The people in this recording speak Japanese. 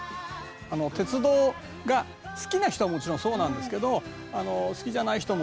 鉄道が好きな人はもちろんそうなんですけど好きじゃない人も。